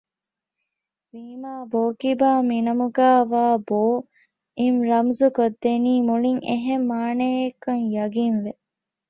ވީމާ ބޯކިބާ މިނަމުގައިވާ ބޯ އިން ރަމުޒުކޮށްދެނީ މުޅިން އެހެން މާނައެއްކަން ޔަޤީން ވެ